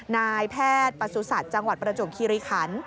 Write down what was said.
นายแพทย์ประสุทธิ์จังหวัดประจวบคิริขัน